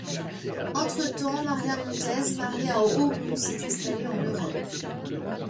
Entre-temps, Maria Montez, mariée à Aumont, s'est installée en Europe.